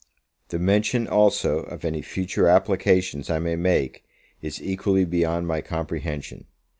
The mention, also, of any future applications I may make, is equally beyond my comprehension.